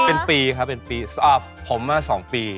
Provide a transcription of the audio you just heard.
เป็นปีค่ะเป็นปีผมว่าสองปี